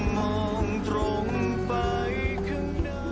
มองตรงไปข้างหน้า